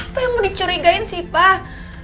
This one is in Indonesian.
apa yang mau dicurigain sih pak